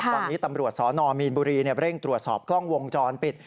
ตอนนี้ตำรวจสนมีนบุรีเร่งตรวจสอบกล้องวงจรปิด